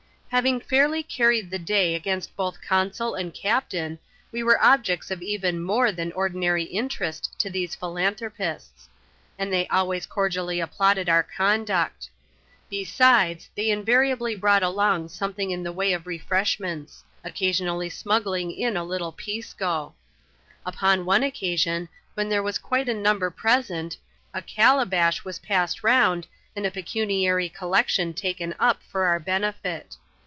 Having fairly carried the day against both consul and captaiify we were objects of even more than ordinary interest to these philanthropists ; and they always cordially applauded our con duct. Besides, they invariably brought along something in the way of refreshments ; occasionally smuggling in a little Fisca. Upon one occasion, when there was quite a number present, a calabash was passed round, and a pecuniary collection taken up for our benefit.